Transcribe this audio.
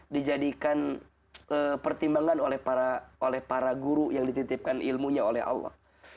dijadikan pertimbangan oleh para guru yang dititipkan ilmunya oleh allah